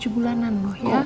tujuh bulanan loh ya